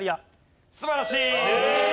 素晴らしい！